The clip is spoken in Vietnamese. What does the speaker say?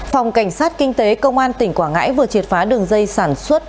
phòng cảnh sát kinh tế công an tỉnh quảng ngãi vừa triệt phá đường dây sản xuất